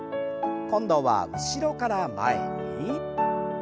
今度は後ろから前に。